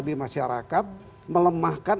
di masyarakat melemahkan